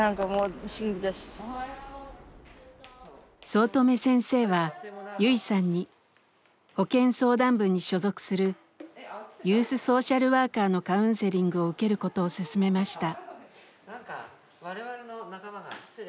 早乙女先生はユイさんに保健相談部に所属するユースソーシャルワーカーのカウンセリングを受けることを勧めました。